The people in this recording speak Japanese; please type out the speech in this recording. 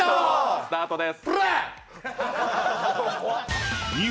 スタートです。